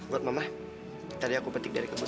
buat mama tadi aku petik dari kebun